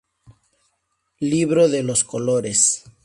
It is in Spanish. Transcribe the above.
Libro de los colores.